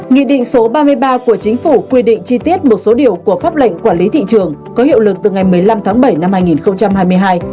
nghị định số ba mươi ba của chính phủ quy định chi tiết một số điều của pháp lệnh quản lý thị trường có hiệu lực từ ngày một mươi năm tháng bảy năm hai nghìn hai mươi hai